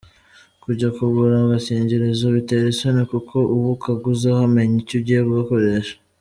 Kujya kugura agakingirizo bitera isoni kuko uwo ukaguzeho amenya icyo ugiye kugakoresha.